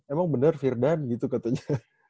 emang bener firdan gitu katanya